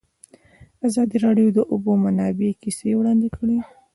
ازادي راډیو د د اوبو منابع کیسې وړاندې کړي.